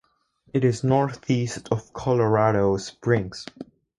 It is northeast of Colorado Springs.